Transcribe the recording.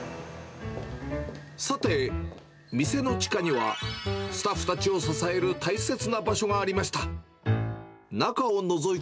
さて、店の地下には、スタッフたちを支える大切な場所がありました。